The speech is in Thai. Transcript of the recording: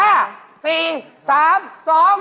เออเออ